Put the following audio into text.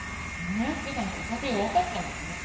梅屋敷さんってお酒弱かったんですね